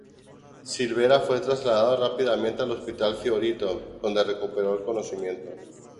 Silvera fue trasladado rápidamente al Hospital Fiorito, donde recuperó el conocimiento.